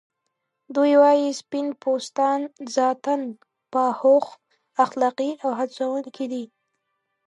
دوی وايي سپین پوستان ذاتاً باهوښ، اخلاقی او هڅونکي دي.